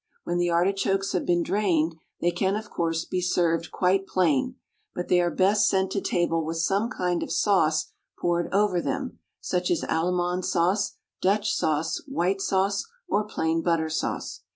When the artichokes have been drained, they can, of course, be served quite plain, but they are best sent to table with some kind of sauce poured over them, such as Allemande sauce, Dutch sauce, white sauce, or plain butter sauce.